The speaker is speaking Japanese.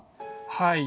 はい。